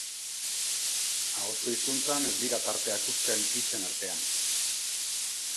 Ahozko hizkuntzan ez dira tarteak uzten hitzen artean.